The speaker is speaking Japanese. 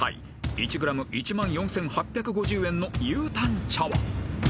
［１ｇ１万４，８５０円のユウタン茶は］